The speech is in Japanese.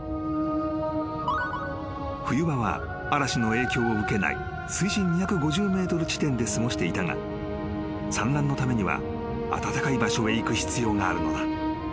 ［冬場は嵐の影響を受けない水深２５０ｍ地点で過ごしていたが産卵のためには暖かい場所へ行く必要があるのだ］